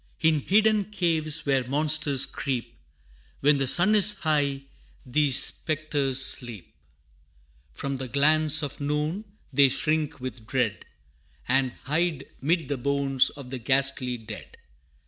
In hidden caves where monsters creep, When the sun is high, these spectres sleep: From the glance of noon, they shrink with dread, And hide 'mid the bones of the ghastly dead.